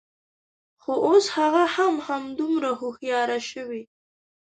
خو، اوس هغه هم همدومره هوښیاره شوې